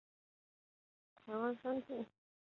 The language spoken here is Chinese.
台湾山荠为十字花科山荠属下的一个种。